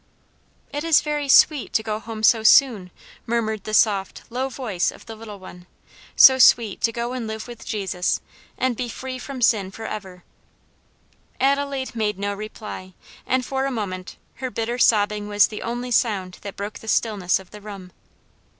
"It is very sweet to go home so soon," murmured the soft, low voice of the little one, "so sweet to go and live with Jesus, and be free from sin forever!" Adelaide made no reply, and for a moment her bitter sobbing was the only sound that broke the stillness of the room.